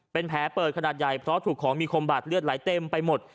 เป็นแผลเปิดขนาดใหญ่เพราะถูกของมีคมบาดเลือดไหลเต็มไปหมด